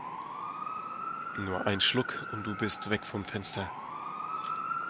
Nur ein Schluck und du bist weg vom Fenster!